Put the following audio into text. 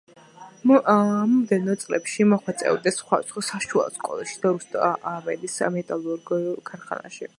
მომდევნო წლებში მოღვაწეობდა სხვადასხვა საშუალო სკოლაში და რუსთავის მეტალურგიულ ქარხანაში.